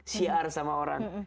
syiar sama orang